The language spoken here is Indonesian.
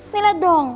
nih lihat dong